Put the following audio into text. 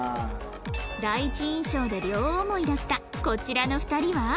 第一印象で両思いだったこちらの２人は